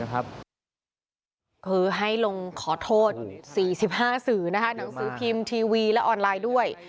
คือให้ลงขอโทษ๔๕สื่อหนังสือพิมพ์ทีวีและออนไลน์ด้วย